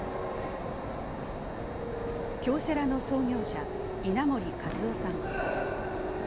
京セラの創業者、稲盛和夫さん。